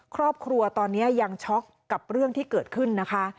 ครอบครัวตอนนี้ยังช็อกกับเรื่องที่เกิดขึ้นนะคะ